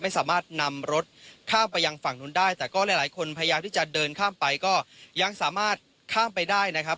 ไม่สามารถนำรถข้ามไปยังฝั่งนู้นได้แต่ก็หลายคนพยายามที่จะเดินข้ามไปก็ยังสามารถข้ามไปได้นะครับ